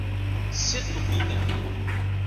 Setubinha